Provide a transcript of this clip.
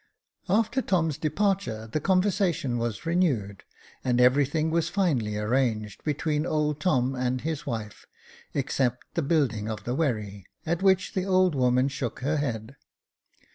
After Tom's departure, the conversation was renewed, and everything was finally arranged between old Tom and his wife, except the building of the wherry, at which the old woman shook her head.